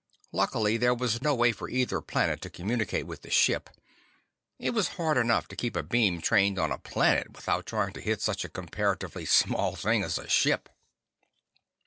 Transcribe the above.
Luckily, there was no way for either planet to communicate with the ship; it was hard enough to keep a beam trained on a planet without trying to hit such a comparatively small thing as a ship.